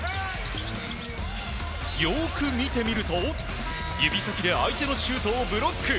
よく見てみると指先で相手のシュートをブロック。